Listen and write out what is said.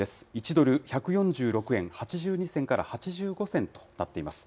１ドル１４６円８２銭から８５銭となっています。